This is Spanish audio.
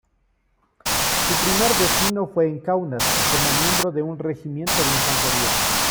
Su primer destino fue en Kaunas, como miembro de un regimiento de infantería.